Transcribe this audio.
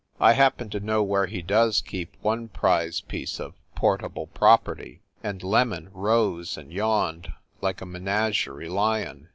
"I happen to know where he does keep one prize piece of portable property." And "Lem on" rose and yawned like a menagerie lion.